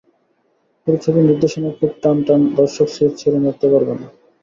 পুরো ছবির নির্দেশনাও খুব টান টান, দর্শক সিট ছেড়ে নড়তে পারবে না।